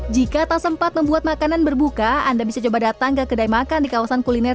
jika tak sempat membuat makanan berbuka anda bisa coba datang ke kedai makan di kawasan kuliner